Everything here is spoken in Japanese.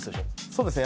そうですね